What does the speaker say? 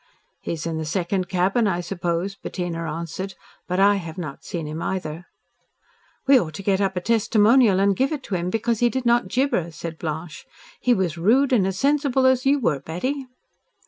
"He is in the second cabin, I suppose," Bettina answered, "but I have not seen him, either." "We ought to get up a testimonial and give it to him, because he did not gibber," said Blanche. "He was as rude and as sensible as you were, Betty."